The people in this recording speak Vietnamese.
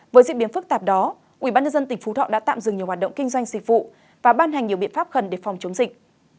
với diễn biến phức tạp đó ubnd tỉnh phú thọ đã tạm dừng nhiều hoạt động kinh doanh dịch vụ và ban hành nhiều biện pháp khẩn để phòng chống dịch